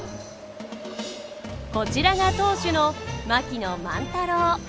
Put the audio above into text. こちらが当主の槙野万太郎。